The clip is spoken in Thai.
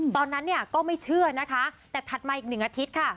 ตอนนั้นเนี่ยก็ไม่เชื่อนะคะแต่ถัดมาอีกหนึ่งอาทิตย์ค่ะ